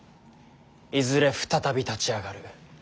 いずれ再び立ち上がる。